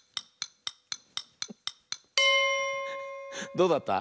どうだった？